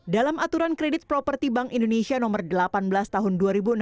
dalam aturan kredit properti bank indonesia nomor delapan belas tahun dua ribu enam belas